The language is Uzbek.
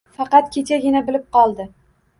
Faqat, kechagina bilib qoldi